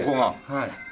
はい。